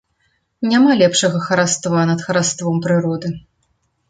Няма лепшага хараства над хараством прыроды.